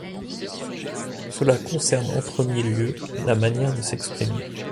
Cela concerne en premier lieu la manière de s'exprimer.